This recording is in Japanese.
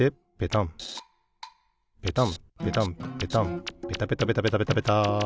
ペタンペタンペタンペタペタペタペタペタ！